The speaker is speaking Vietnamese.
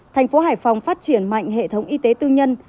thành phố hải phòng phát triển mạnh hệ thống y tế tư nhân